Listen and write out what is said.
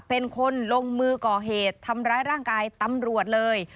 เป็นคนลงมือก่อเหตุทำร้ายร่างกายตำรวจเลย